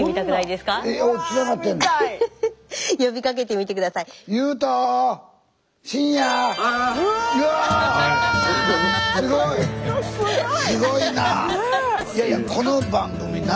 すごいな！